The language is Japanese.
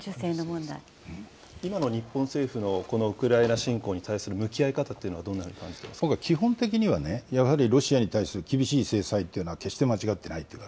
今の日本政府のこのウクライナ侵攻に対する向き合い方ってい僕は、基本的にはね、やはりロシアに対する厳しい制裁っていうのは決して間違ってないと。